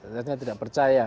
ternyata tidak percaya